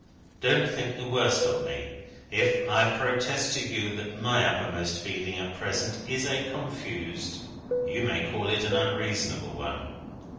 Don't think the worse of me if I protest to you that my uppermost feeling at present is a confused, you may call it an unreasonable, one.